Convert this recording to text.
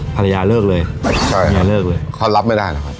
ภรรยาเลิกเลยใช่ภรรยาเลิกเลยเขารับไม่ได้เลย